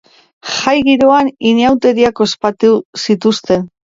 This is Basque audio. Jai giroan inauteriak ospatu zituzten.